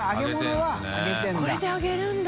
これで揚げるんだ。